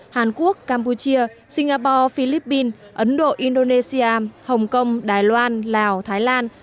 hàn quốc campuchia singapore philippines ấn độ indonesia hồng kông đài loan lào thái lan